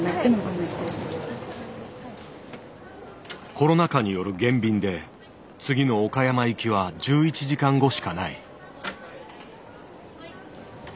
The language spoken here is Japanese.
コロナ禍による減便で次の岡山行きは１１時間後しかない。